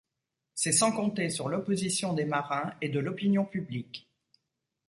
C'est sans compter sur l'opposition des marins et de l'opinion publique.